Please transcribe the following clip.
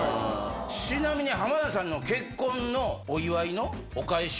ちなみに、浜田さんの結婚のお祝いのお返し。